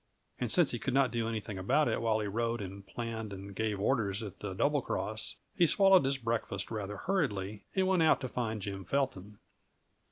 And since he could not do anything about it while he rode and planned and gave orders at the Double Cross, he swallowed his breakfast rather hurriedly and went out to find Jim Felton.